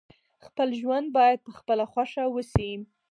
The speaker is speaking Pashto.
خپل ژوند باید په خپله خوښه وسي.